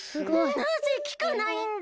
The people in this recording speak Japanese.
なぜきかないんだ。